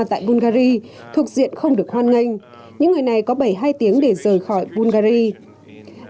tại bulgaria thuộc diện không được hoan nghênh những người này có bảy mươi hai tiếng để rời khỏi bulgaria